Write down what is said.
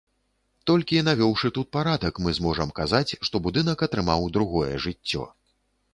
Толькі навёўшы тут парадак, мы зможам казаць, што будынак атрымаў другое жыццё.